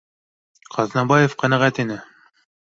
Ҡаҙнабаев ҡәнәғәт ине: